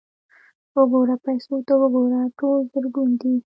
_وګوره، پيسو ته وګوره! ټول زرګون دي.